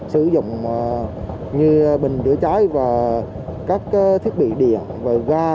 sử dụng như bình chữa cháy và các thiết bị điện về ga